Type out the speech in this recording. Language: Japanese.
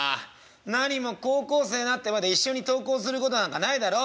なにも高校生になってまで一緒に登校することなんかないだろ？」。